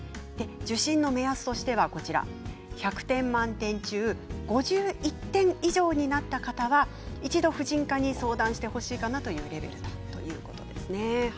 受診の目安としては１００点満点中５１点以上になった方は一度、婦人科に相談してほしいレベルだということです。